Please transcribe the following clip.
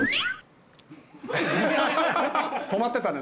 止まってたね。